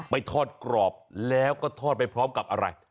ไปทอดกรอบแล้วก็ทอดไปพร้อมกับอะไร